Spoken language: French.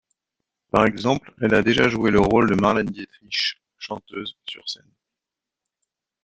Par exemple, elle a déjà joué le rôle de Marlène Dietrich chanteuse, sur scène.